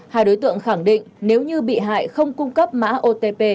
hai đối tượng khẳng định nếu như bị hại không cung cấp mã otp